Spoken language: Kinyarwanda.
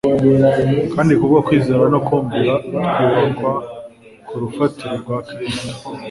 Kandi kubwo kwizera no kumvira twubakwa ku rufatiro rwa Kristo.